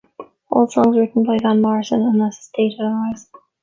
All songs written by Van Morrison unless stated otherwise.